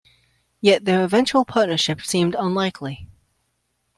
Yet their eventual partnership seemed unlikely.